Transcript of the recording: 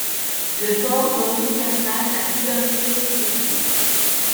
Le port doit aussi faire face à plusieurs crises successives.